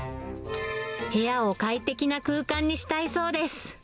部屋を快適な空間にしたいそうです。